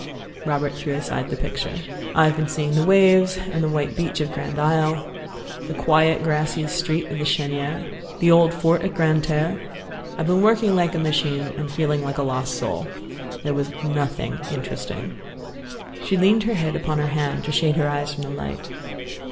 Robert threw aside the picture. "I've been seeing the waves and the white beach of Grand Isle; the quiet, grassy street of the Chênière; the old fort at Grande Terre. I've been working like a machine, and feeling like a lost soul. There was nothing interesting." She leaned her head upon her hand to shade her eyes from the light.